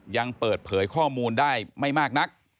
ยังเปิดเผยข้อมูลได้ไม่มากนัก